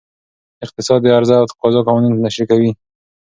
اقتصاد د عرضه او تقاضا قوانین تشریح کوي.